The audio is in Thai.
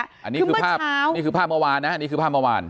อันนี้คือภาพเมื่อวานนะอันนี้คือภาพเมื่อวาน